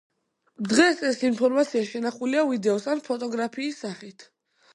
დღეს ეს ინფორმაცია შენახულია ვიდეოს ან ფოტოგრაფიის სახით.